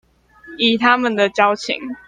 以他們的交情